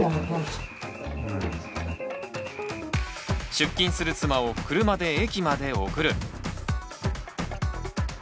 出勤する妻を車で駅まで送る。